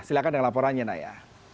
silakan dengan laporannya naya